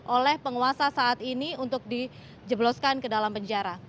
oleh penguasa saat ini untuk dijebloskan ke dalam penjara